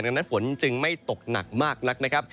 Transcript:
ดังนั้นฝนจึงไม่ตกหนักมากนักนะครับ